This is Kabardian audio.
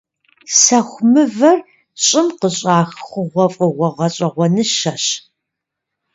Сэху мывэр щӀым къыщӀах хъугъуэфӀыгъуэ гъэщӀэгъуэныщэщ.